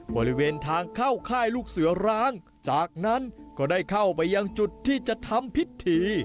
บริเวณทางเข้าค่ายลูกเสือร้างจากนั้นก็ได้เข้าไปยังจุดที่จะทำพิธี